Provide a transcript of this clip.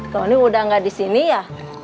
tony udah nggak di sini ya